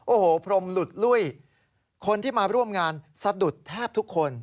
โอ้โหพรมหลุดลุ้ยคนที่มาร่วมงานสะดุดแทบทุกคน